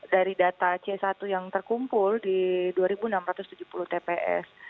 dari data c satu yang terkumpul di dua enam ratus tujuh puluh tps